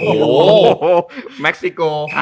โอ้โหแม็กซิโก